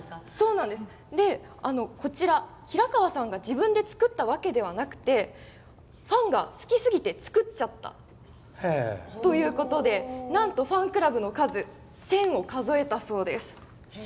こちら、平川さんが自分で作ったわけではなくてファンが好きすぎて作っちゃったということでなんとファンクラブの数１０００を数えたそうです。